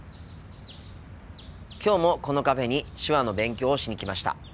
きょうもこのカフェに手話の勉強をしに来ました。